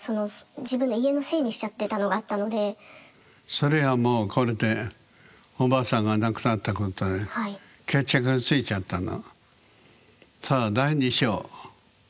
それはもうこれでおばあさんが亡くなったことで決着がついちゃったの。